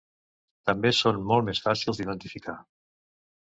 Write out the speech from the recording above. També són molt més fàcils d'identificar.